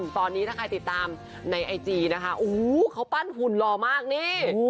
ตอนนี้ถ้าใครติดตามในไอจีนะคะโอ้โหเขาปั้นหุ่นหล่อมากนี่